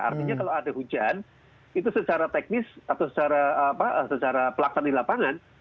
artinya kalau ada hujan itu secara teknis atau secara pelaksanaan di lapangan